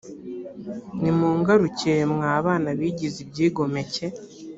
nimungarukire mwa bana bigize ibyigomeke